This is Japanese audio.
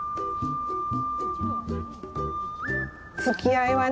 つきあいはね